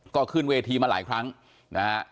ก็ขึ้นเวทีมาหลายครั้งนะฮะ